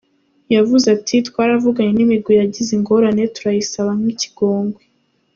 Yvuze ati:"Twaravuganye n'imigwi yagize ingorane turayisaba n'ikigongwe.